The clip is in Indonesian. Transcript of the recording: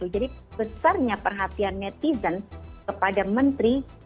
jadi besarnya perhatian netizen kepada menteri